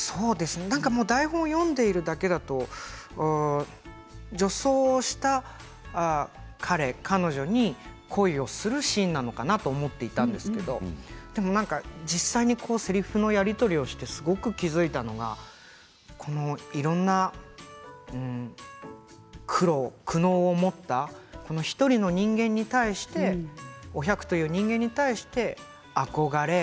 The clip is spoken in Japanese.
台本を読んでいるだけだと女装した彼、彼女に恋をするシーンなのかなと思っていたんですけれど実際せりふのやり取りをしてすごく落ち着いたのはいろいろな苦労、苦悩を持った１人の人間に対してお百という人間に対して憧れ。